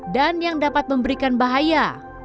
dan yang dapat memberikan bahaya